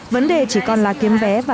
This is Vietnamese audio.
vấn đề chỉ còn là kiếm vé